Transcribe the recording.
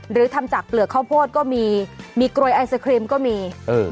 หรือทำจากเปลือกข้าวโพดก็มีมีกรวยไอศครีมก็มีเออ